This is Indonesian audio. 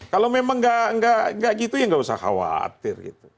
kalau memang nggak gitu ya nggak usah khawatir gitu